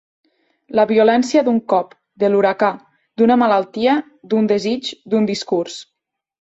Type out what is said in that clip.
La violència d'un cop, de l'huracà, d'una malaltia, d'un desig, d'un discurs.